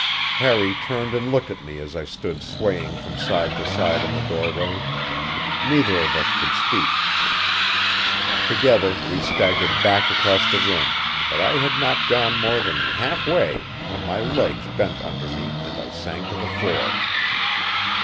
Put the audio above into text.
Harry turned and looked at me as I stood swaying from side to side in the doorway. Neither of us could speak. Together we staggered back across the room, but I had not gone more than half way when my legs bent under me and I sank to the floor.